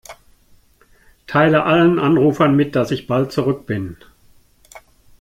Teile allen Anrufern mit, dass ich bald zurück bin.